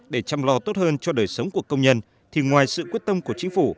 để chăm lo tốt hơn cho đời sống của công nhân thì ngoài sự quyết tâm của chính phủ